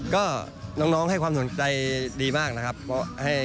ก็น้องให้ความสนใจดีมากนะครับ